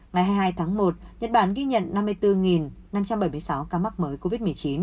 ngày hai mươi hai tháng một nhật bản ghi nhận năm mươi bốn năm trăm bảy mươi sáu ca mắc mới covid một mươi chín